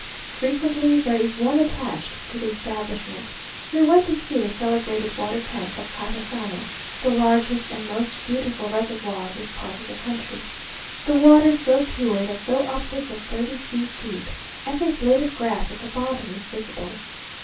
Frequently there is one attached to the establishment. We went to see the celebrated water tank of Casasano, the largest and most beautiful reservoir in this part of the country; the water so pure, that though upwards of thirty feet deep, every blade of grass at the bottom is visible.